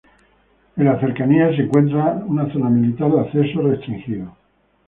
En la cercanía se encuentra una zona militar de acceso restringido.